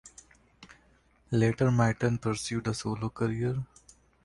Later Myton pursued a solo career.